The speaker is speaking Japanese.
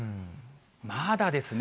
まだですね。